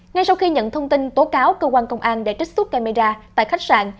ngay sau khi nhận thông tin tố cáo cơ quan công an đã trích xuất camera tại khách sạn